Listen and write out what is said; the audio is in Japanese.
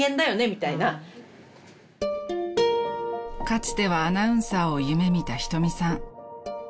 ［かつてはアナウンサーを夢見た瞳さん］